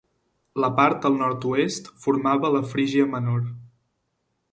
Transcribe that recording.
La part al nord-oest formava la Frígia Menor.